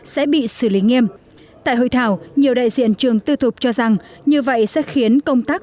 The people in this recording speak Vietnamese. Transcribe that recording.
sẽ bị xử lý nghiêm tại hội thảo nhiều đại diện trường tư thục cho rằng như vậy sẽ khiến công tác